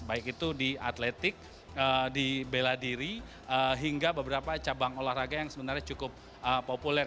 baik itu di atletik di bela diri hingga beberapa cabang olahraga yang sebenarnya cukup populer